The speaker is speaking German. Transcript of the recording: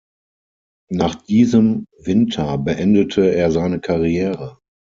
Nach diesem Winter beendete er seine Karriere.